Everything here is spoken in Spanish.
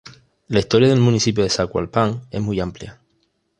La historia del municipio de Zacualpan es muy amplia.